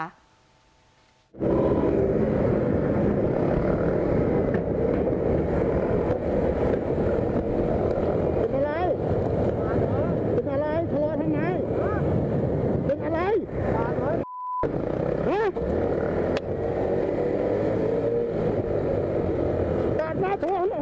เป็นอะไร